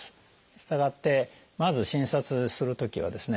したがってまず診察するときはですね